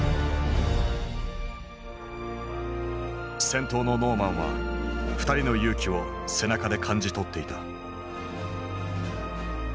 先頭のノーマンは２人の勇気を背中で感じ取っていた。